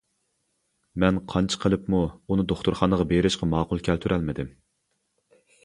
مەن قانچە قىلىپمۇ ئۇنى دوختۇرخانىغا بېرىشقا ماقۇل كەلتۈرەلمىدىم.